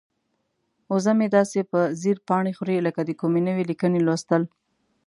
وزه مې داسې په ځیر پاڼې خوري لکه د کومې نوې لیکنې لوستل.